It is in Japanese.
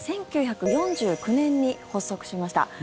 ＮＡＴＯは１９４９年に発足しました。